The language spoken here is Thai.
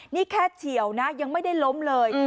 นี่แค่เฉียวนะยังไม่ได้ล้มเลย